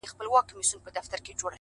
مجرم د غلا خبري پټي ساتي؛